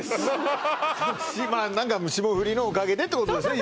まあ何か霜降りのおかげでってことですね